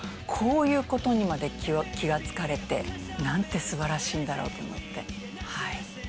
こういう事にまで気がつかれてなんて素晴らしいんだろうと思ってはい。